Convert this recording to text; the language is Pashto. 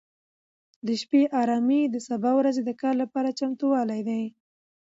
د شپې ارامي د سبا ورځې د کار لپاره چمتووالی دی.